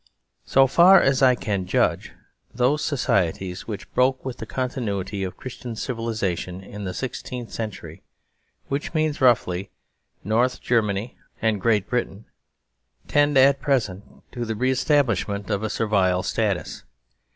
So far as I can judge, those societies which broke with thecontinuity of Christian civilisation in the six teenth century which means, roughly, North Ger many and Great Britain tend at present to the re establishment of a Servile Status.